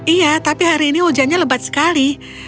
iya tapi hari ini hujannya lebat sekali